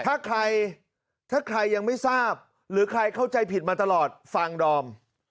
ถ้าใครถ้าใครยังไม่ทราบหรือใครเข้าใจผิดมาตลอดฟังดอม